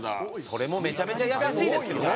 それもめちゃめちゃ優しいですけどね。